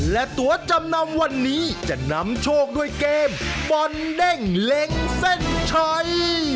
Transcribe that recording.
และตัวจำนำวันนี้จะนำโชคด้วยเกมบอลเด้งเล็งเส้นชัย